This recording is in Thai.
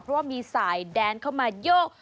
เพราะว่ามีสายแดนเข้ามาโยก